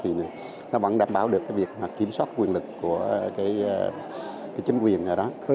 thì nó vẫn đảm bảo được việc kiểm soát quyền lực của chính quyền ở đó